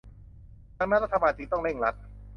ดังนั้นรัฐบาลจึงต้องเร่งรัด